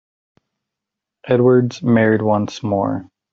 Edwards married once more.